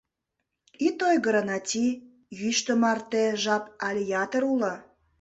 — Ит ойгыро, Нати, йӱштӧ марте жап але ятыр уло.